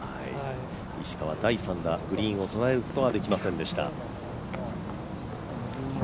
石川第３打、グリーンを捉えることはできませんでした。